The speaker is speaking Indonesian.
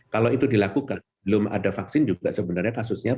kalau itu dilakukan belum ada vaksin juga sebenarnya kasusnya